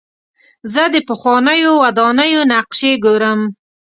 زه د پخوانیو ودانیو نقشې ګورم.